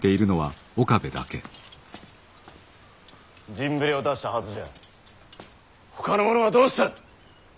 陣触れを出したはずじゃほかの者はどうした！